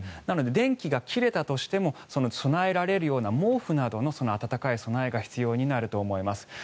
なので、電気が切れたとしても備えられるような毛布などの暖かい備えが必要になると思います。